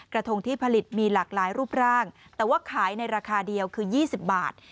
กระทงที่ผลิตมีหลากหลายรูปร่างแต่ว่าขายในราคาเดียวคือ๒๐บาท